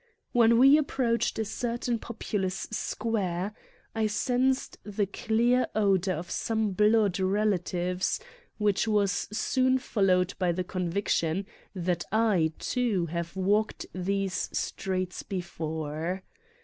When we approached a certain popu lous square I sensed the clear odor of some blood relatives, which was soon followed by the convic tion that I, too, have walked these streets before.